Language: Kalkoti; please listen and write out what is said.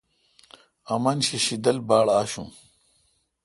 آمن شی تہ شیدل باڑآشون۔